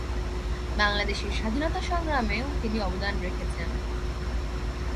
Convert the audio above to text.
বাংলাদেশের স্বাধীনতা সংগ্রামে ও তিনি অবদান রেখেছেন।